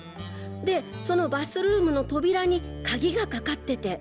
でそのバスルームの扉に鍵がかかってて。